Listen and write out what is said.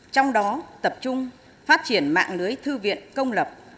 trong đó tập trung phát triển mạng lưới thư viện công lập